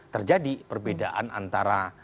terjadi perbedaan antara